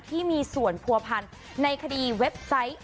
ที่มีส่วนผัวพันธ์ในคดีเว็บไซต์